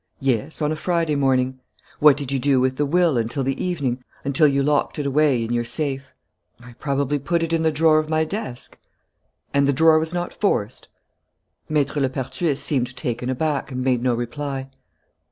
"Yes, on a Friday morning." "What did you do with the will until the evening, until you locked it away up your safe?" "I probably put it in the drawer of my desk." "And the drawer was not forced?" Maître Lepertuis seemed taken aback and made no reply.